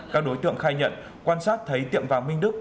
các đối tượng khai nhận quan sát thấy tiệm vàng minh đức